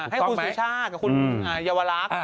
ให้คุณสุชาติกับคุณเยาวลักษณ์